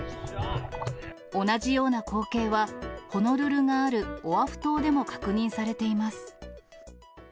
同じような光景は、ホノルルがあるオアフ島でも確認されています。